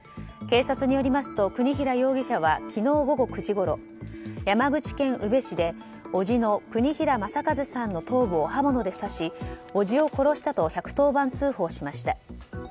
警察によりますと国平容疑者は昨日午後９時ごろ山口県宇部市で、おじの国平政一さんの頭部を刃物で刺しおじを殺したと１１０番通報しました。